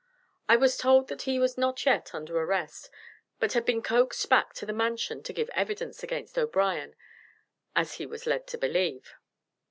I was told that he was not yet under arrest, but had been coaxed back to the Mansion to give evidence against O'Brien, as he was led to believe.